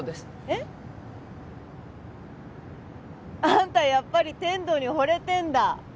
えっ？あんたやっぱり天堂に惚れてんだ。